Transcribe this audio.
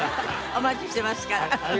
お待ちしてますから。